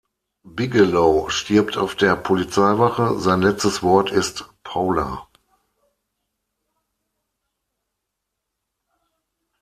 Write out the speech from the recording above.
Bigelow stirbt auf der Polizeiwache, sein letztes Wort ist "Paula".